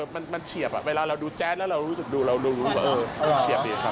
มันเชียบอะเวลาเราดูแจ๊สแล้วเรารู้เห็นว่าเชียบดีครับ